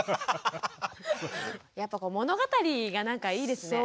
やっぱこう物語がなんかいいですね。